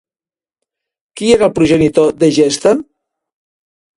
Qui era el progenitor d'Egesta?